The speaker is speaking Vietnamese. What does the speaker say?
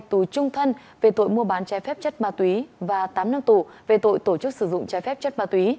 tù trung thân về tội mua bán trái phép chất ma túy và tám năm tù về tội tổ chức sử dụng trái phép chất ma túy